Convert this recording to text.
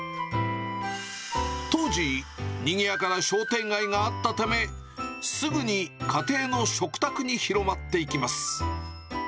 当時、にぎやかな商店街があったため、すぐに家庭の食卓に広まっていきます。